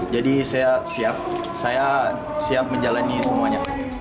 jadi saya siap saya siap menjalani semuanya